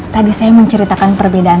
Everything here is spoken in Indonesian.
tadi saya menceritakan perbedaan